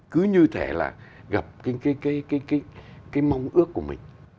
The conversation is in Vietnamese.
cứ như thế là gặp cái mong ước của mình